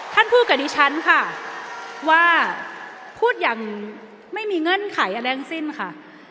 พูดกับดิฉันค่ะว่าพูดอย่างไม่มีเงื่อนไขอะไรทั้งสิ้นค่ะ